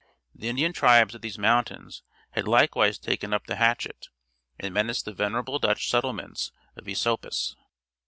The Indian tribes of these mountains had likewise taken up the hatchet, and menaced the venerable Dutch settlements of Esopus.